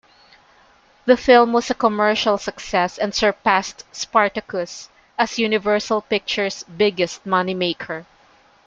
The film was a commercial success and surpassed "Spartacus" as Universal Pictures' biggest moneymaker.